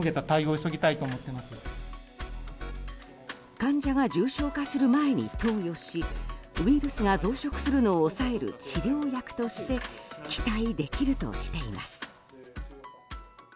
患者が重症化する前に投与しウイルスが増殖するのを抑える治療薬として期待できるとしています。